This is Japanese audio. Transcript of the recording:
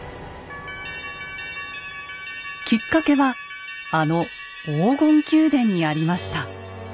きっかけはあの黄金宮殿にありました。